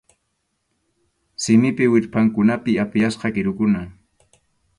Simip wirpʼankunapi apiyasqa kʼirikuna.